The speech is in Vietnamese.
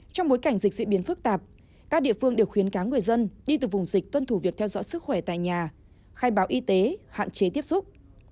trong bối cảnh dịch diễn biến phức tạp các địa phương đều khuyến cáo người dân đi từ vùng dịch tuân thủ việc theo dõi sức khỏe tại nhà khai báo y tế hạn chế tiếp xúc